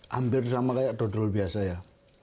hampir sama kayak dodol biasa ya